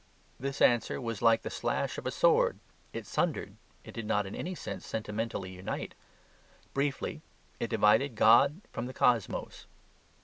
This answer was like the slash of a sword; it sundered; it did not in any sense sentimentally unite. Briefly, it divided God from the cosmos.